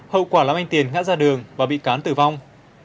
hậu quả làm anh tiền ngã ra đường và bị cán tử vong